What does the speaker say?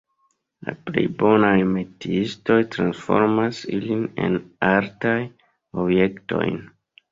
La plej bonaj metiistoj transformas ilin en artaj objektojn.